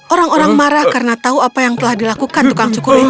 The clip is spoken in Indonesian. orang orang marah karena tahu apa yang telah dilakukan tukang cukurin